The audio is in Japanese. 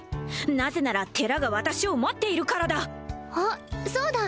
なぜなら寺が私を待っているからだあっそうだ